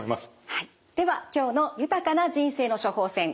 はいでは今日の「豊かな人生の処方せん」